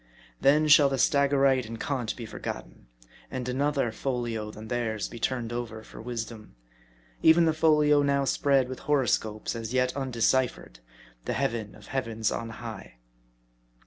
Then shall the Stagirite and Kant be forgot ten, and another folio than theirs be turned over for wisdorff ; even the folio now spread with horoscopes as yet undeci phered, the heaven of heavens on high.